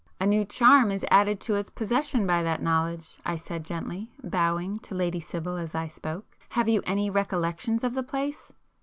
"A new charm is added to its possession by that knowledge,"—I said gently, bowing to Lady Sibyl as I spoke—"Have you many recollections of the place?"